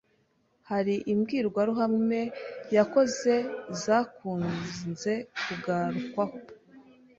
hari imbwirwaruhame yakoze zakunze kugarukwaho,